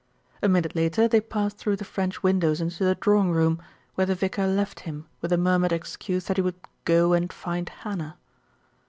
A minute later they passed through the French win dows into the drawing room, where the vicar left him with a murmured excuse that he would "go and find Hannah."